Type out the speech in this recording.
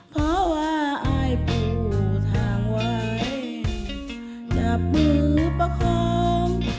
เพราะว่าอายปูทางไว้จับมือประคอง